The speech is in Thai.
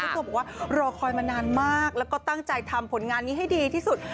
ตัวบอกว่ารอคอยมานานมากแล้วก็ตั้งใจทำผลงานนี้ให้ดีที่สุด